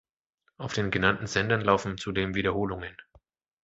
Auf den genannten Sendern laufen zudem Wiederholungen.